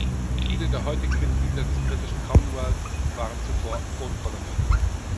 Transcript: Viele der heutigen Mitglieder des britischen Commonwealth waren zuvor Kronkolonien.